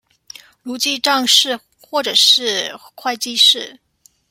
如記帳士或者是會計師